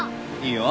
いいよ。